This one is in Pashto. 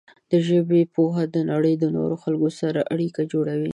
د ژبې پوهه د نړۍ د نورو خلکو سره اړیکه جوړوي.